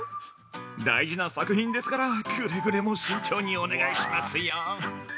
大事な作品ですからくれぐれも慎重にお願いしますよ。